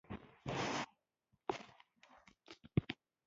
په داسې مواقعو کې د دوښمن او دوست تفکیک معلوم دی.